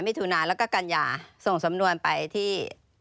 ถุนาแล้วก็กัญญาส่งสำนวนไปที่